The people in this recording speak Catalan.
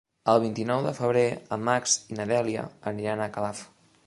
El vint-i-nou de febrer en Max i na Dèlia aniran a Calaf.